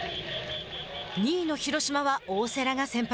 ２位の広島は大瀬良が先発。